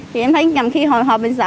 thì em thấy nhầm khi hồi hộp mình sợ